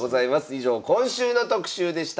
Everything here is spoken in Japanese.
以上今週の特集でした。